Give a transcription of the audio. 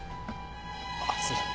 あっすみません。